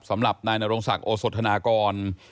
สำหรับนายนรงศักดิ์โอสธนากร